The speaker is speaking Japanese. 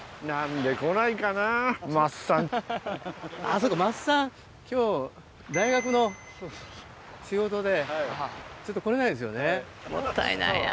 そうか桝さん今日大学の仕事でちょっと来れないんですよね。